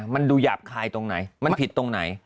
มันดูหยาบคายตรงไหนมันผิดตรงไหน